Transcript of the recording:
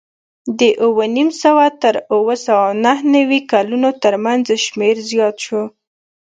د اوه نیم سوه تر اوه سوه نهه نوې کلونو ترمنځ شمېر زیات شو